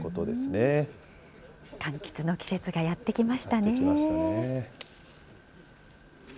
かんきつの季節がやって来ましたね。